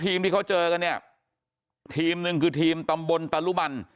ที่เขาเจอกันเนี่ยทีมหนึ่งคือทีมตำบลตะลุมัน